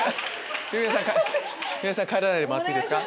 帰らないでもらっていいですか。